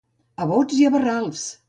A bots i barrals.